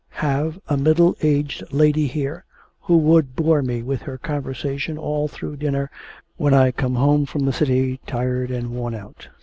'Have a middle aged lady here, who would bore me with her conversation all through dinner when I come home from the City tired and worn out!'